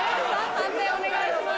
判定お願いします。